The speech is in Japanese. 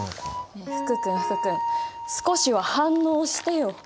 ねえ福君福君少しは反応してよ。